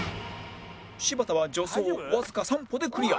柴田は助走わずか３歩でクリア